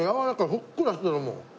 ふっくらしてるもん。